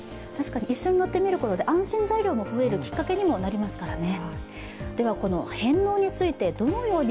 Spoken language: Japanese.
一緒に乗ってみることで安心材料が増えるきっかけにもなりますからね。